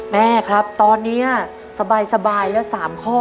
แม่ครับตอนนี้สบายแล้ว๓ข้อ